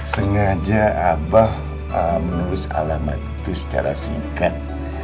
sengaja abah menulis alamat itu secara singkat